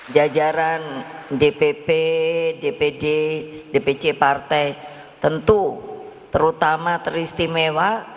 jajaran dpp dpd dpc partai tentu terutama teristimewa